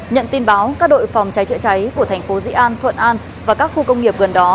nhận tin báo các đội phòng cháy chữa cháy của tp di an thuận an và các khu công nghiệp gần đó